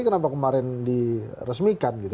kenapa kemarin diresmikan